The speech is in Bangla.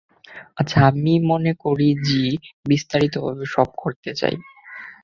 আচ্ছা, আমি মনে করি যী বিস্তারিতভাবে সব করতে চায়।